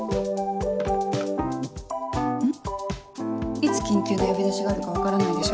いつ緊急の呼び出しがあるか分からないでしょ？